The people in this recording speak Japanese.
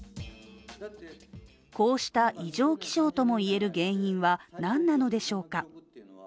こうした異常気象とも言える原因は何なのでしょうか。